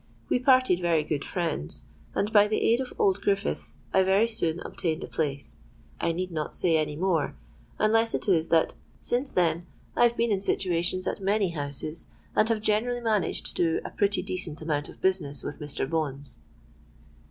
We parted very good friends; and by the aid of old Griffiths I very soon obtained a place. I need not say any more,—unless it is that since then I've been in situations at many houses, and have generally managed to do a pretty decent amount of business with Mr. Bones."